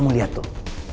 kamu liat tuh